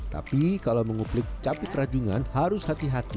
tapi kalau menguplik capit rajungan harus hati hati